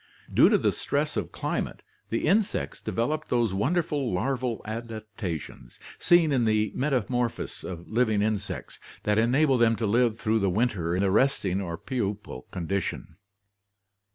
Due to the stress of cli mate the insects developed those wonderful larval adaptations, seen in the metamorphosis of living insects, that enable them to live through the winter in the resting or pupal condition (see Chapter xxvn).